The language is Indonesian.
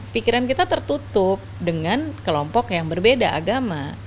pikiran kita tertutup dengan kelompok yang berbeda agama